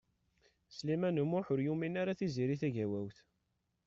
Sliman U Muḥ ur yumin ara Tiziri Tagawawt.